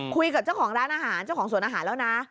คุยกับเจ้าของร้านอาหารเจ้าของสวนอาหารแล้วนะ